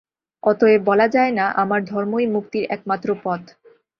অতএব বলা যায় না, আমার ধর্মই মুক্তির একমাত্র পথ।